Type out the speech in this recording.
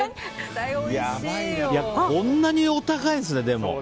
こんなにお高いんですね、でも。